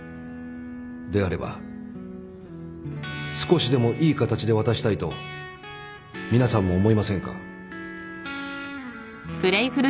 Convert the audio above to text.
であれば少しでもいい形で渡したいと皆さんも思いませんか？